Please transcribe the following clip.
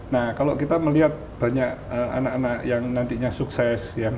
nah kalau kita melihat banyak anak anak yang nantinya sukses